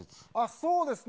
そうですね。